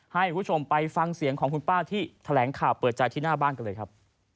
ให้คุณผู้ชมไปฟังเสียงของคุณป้าที่แถลงข่าวเปิดใจที่หน้าบ้านกันเลยครับ